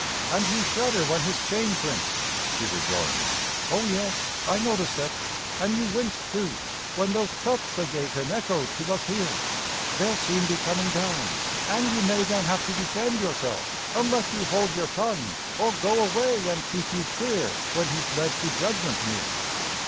"And you shudder when his chain clinks!" she rejoined. "O yes, I noticed it. And you winced, too, when those cuffs they gave him echoed to us here. They'll soon be coming down, and you may then have to defend yourself Unless you hold your tongue, or go away and keep you clear When he's led to judgment near!"